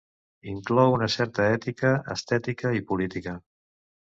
Inclou una certa ètica, estètica i política.